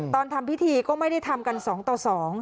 ตอนทำพิธีก็ไม่ได้ทำกัน๒ต่อ๒